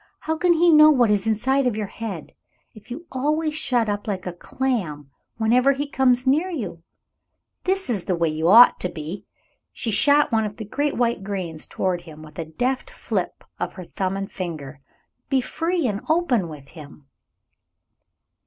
How can he know what is inside of your head if you always shut up like a clam whenever he comes near you? This is the way that you ought to be." She shot one of the great white grains towards him with a deft flip of her thumb and finger. "Be free and open with him."